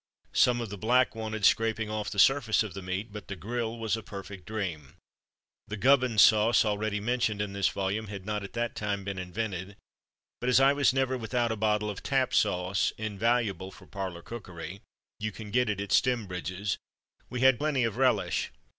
Some of the black wanted scraping off the surface of the meat, but the grill was a perfect dream. The GUBBINS SAUCE, already mentioned in this volume, had not at that time been invented; but as I was never without a bottle of TAPP SAUCE invaluable for Parlour Cookery; you can get it at Stembridge's we had plenty of relish.